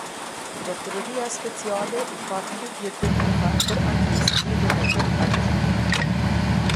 Prokuroria Speciale i ka tridhjetë ditë afat për ankesë lidhur me këtë aktgjykim.